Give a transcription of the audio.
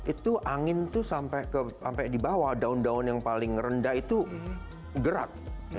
itu angin tuh sampai di bawah daun daun yang paling rendah itu gerak